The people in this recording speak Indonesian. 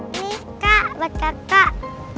nih kak buat kakak